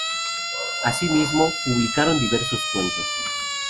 Asimismo publicaron diversos cuentos.